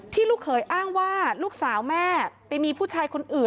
ลูกเขยอ้างว่าลูกสาวแม่ไปมีผู้ชายคนอื่น